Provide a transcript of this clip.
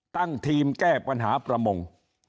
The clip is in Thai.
ตั้งทีมแก้ปัญหาประมง